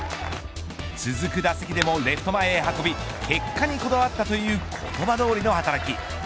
続く打席でもレフト前へ運び結果にこだわったという言葉通りの働き。